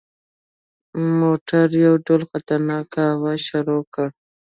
موټر یو ډول خطرناک اواز شروع کړ.